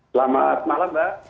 selamat malam mbak